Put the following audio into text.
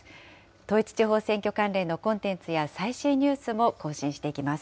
統一地方選挙関連のコンテンツや最新ニュースも更新していきます。